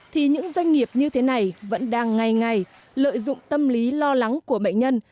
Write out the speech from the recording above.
thì những doanh nghiệp như thế này vẫn đang ngày ngày lợi dụng tâm lý lo lắng của bệnh nhân